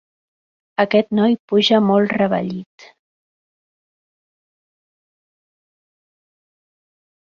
Aquest noi puja molt revellit.